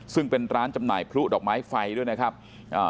ซึ่งเป็นร้านจำหน่ายพลุดอกไม้ไฟด้วยนะครับอ่า